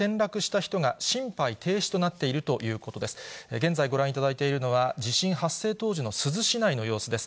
現在ご覧いただいているのは、地震発生当時の珠洲市内の様子です。